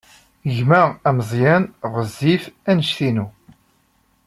Gma ameẓyan ɣezzif anect-inu.